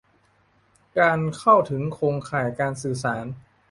การเข้าถึงโครงข่ายการสื่อสาร